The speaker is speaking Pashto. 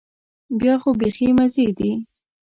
بیا خو بيخي مزې دي.